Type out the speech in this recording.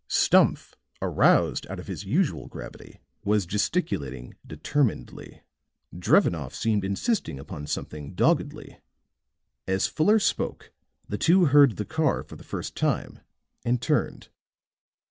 Stumph, aroused out of his usual gravity, was gesticulating determinedly. Drevenoff seemed insisting upon something doggedly. As Fuller spoke, the two heard the car for the first time, and turned.